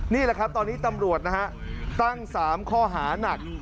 นี่แหละครับตอนนี้ตำรวจนะฮะตั้ง๓ข้อหานัก